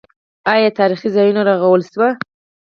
آیا تاریخي ځایونه رغول شوي؟